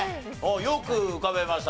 よく浮かべました。